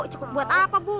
cukup buat apa bu